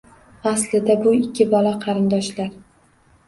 Aslida bu ikki bola — qarindoshlar.